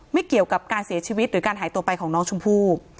ไม่เกี่ยวกับการเสียชีวิตหรือการหายตัวไปของน้องชมพู่